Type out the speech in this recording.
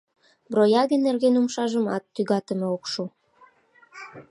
— Брояге нерген умшажымат тӱгатыме ок шу.